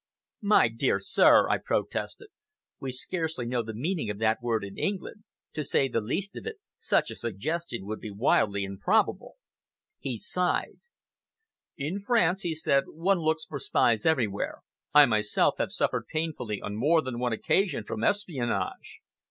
"My dear sir," I protested, "we scarcely know the meaning of that word in England. To say the least of it, such a suggestion would be wildly improbable." He sighed. "In France," he said, "one looks for spies everywhere. I myself have suffered painfully on more than one occasion from espionage.